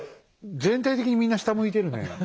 全体的にみんな下向いてるねえ。